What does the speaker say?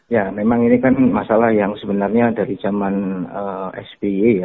ya memang ini kan masalah yang sebenarnya dari zaman sby ya